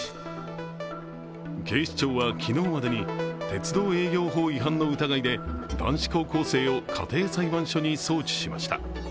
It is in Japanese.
警視庁は昨日までに、鉄道営業法違反の疑いで男子高校生を家庭裁判所に送致しました。